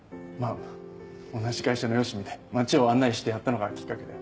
あ同じ会社のよしみで街を案内してやったのがきっかけで。